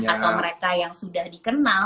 atau mereka yang sudah dikenal